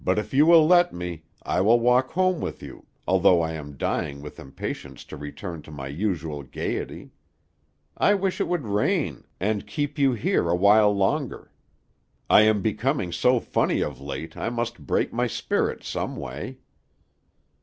But if you will let me, I will walk home with you, although I am dying with impatience to return to my usual gayety. I wish it would rain, and keep you here a while longer. I am becoming so funny of late I must break my spirit some way."